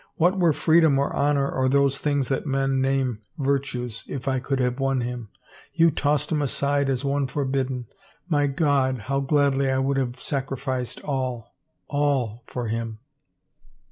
" What were freedom or honor or those things that men name virtues if I could have won him 1 You tossed him aside, as one forbidden. My God, how gladly I would have sacrificed all, all for him."